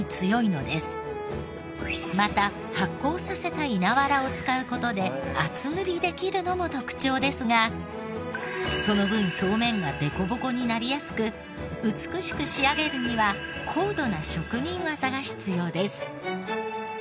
また発酵させた稲わらを使う事で厚塗りできるのも特徴ですがその分表面が凸凹になりやすく美しく仕上げるには高度な職人技が必要です。